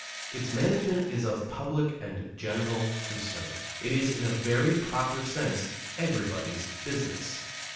Its management is of public and general concern, is in a very proper sense everybody's business.